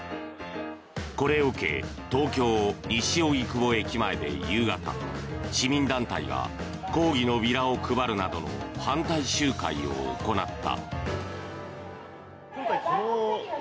これを受け東京・西荻窪駅前で夕方市民団体が抗議のビラを配るなどの反対集会を行った。